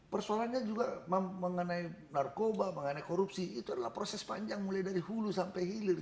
persoalannya juga mengenai narkoba mengenai korupsi itu adalah proses panjang mulai dari hulu sampai hilir